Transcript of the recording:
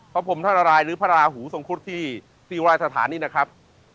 พระผมทรรรายหรือพระราหูทรงครุฑที่ศรีวัณฑ์สถานนี้นะครับ